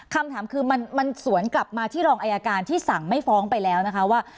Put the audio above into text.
คำถามคือมันสวนกลับมาที่รองอายการที่สั่งไม่ฟ้องไปแล้วนะคะว่า